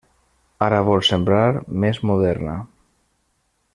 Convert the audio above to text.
Ara vol semblar més moderna.